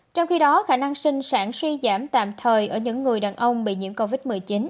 trong khi đó khả năng sinh sản suy giảm tạm thời ở những người đàn ông bị nhiễm covid một mươi chín